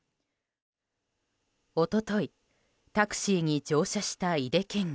一昨日、タクシーに乗車した井手県議。